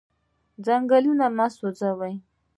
ځنګل مه سوځوئ.